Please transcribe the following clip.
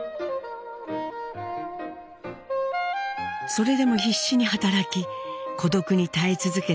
それでも必死に働き孤独に耐え続けたスエ子。